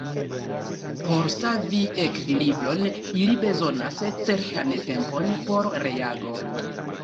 Por savi ekvilibron ili bezonas certan tempon por reago.